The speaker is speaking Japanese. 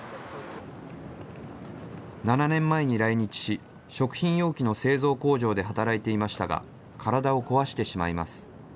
７年前に来日し、食品容器の製造工場で働いていましたが、体を壊してしまいます。